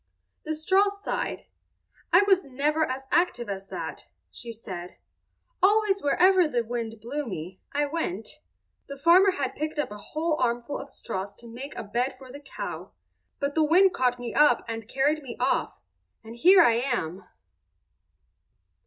The straw sighed. "I was never as active as that," she said. "Always wherever the wind blew me I went. The farmer had picked up a whole armful of straws to make a bed for the cow; but the wind caught me up and carried me off—and here I am."